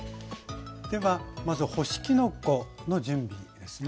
ではまず干しきのこの準備ですね。